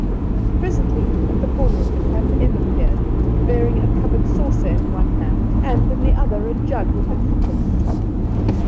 Presently, at the corner of the camp, Em appeared, bearing a covered saucer in one hand and in the other a jug, with a cup in the top.